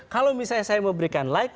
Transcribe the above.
kalau misalnya saya memberikan like